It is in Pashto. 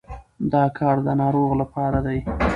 دا کار د ناروغ لپاره دی.